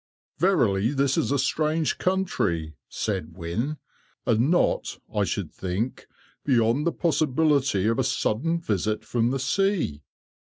"Verily, this is a strange country," said Wynne, "and not, I should think, beyond the possibility of a sudden visit from the sea."